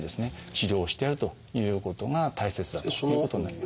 治療をしてやるということが大切だということになります。